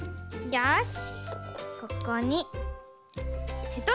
よし。